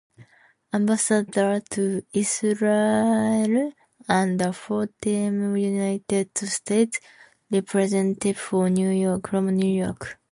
Ambassador to Israel and a four-term United States Representative from New York.